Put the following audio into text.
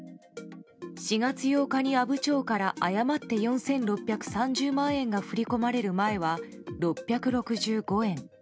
４月８日に阿武町から誤って４６３０万円が振り込まれる前は６６５円。